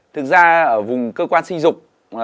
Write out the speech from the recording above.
thực ra vùng cơ quan sinh dục